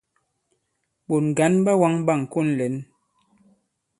Ɓòt ŋgǎn ɓa wāŋ ɓâŋkon lɛ̂n.